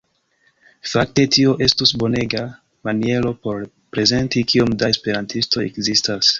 Fakte tio estus bonega maniero por prezenti kiom da esperantistoj ekzistas.